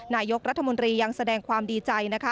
ประโยครัฐมนตรียังแสดงความดีใจ